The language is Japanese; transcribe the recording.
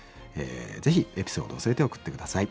ぜひエピソードを添えて送って下さい。